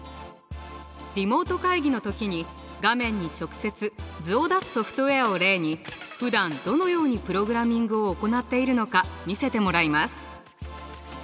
リモート会議の時に画面に直接図を出すソフトウェアを例にふだんどのようにプログラミングを行っているのか見せてもらいます。